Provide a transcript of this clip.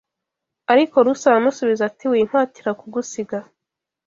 Ariko Rusi aramusubiza ati wimpatira kugusiga